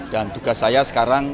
dan tugas saya sekarang